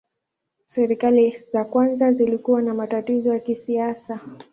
Serikali za kwanza zilikuwa na matatizo ya kisiasa.